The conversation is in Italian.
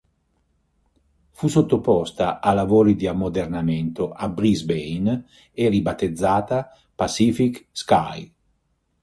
Fu sottoposta a lavori di ammodernamento a Brisbane e ribattezzata Pacific Sky.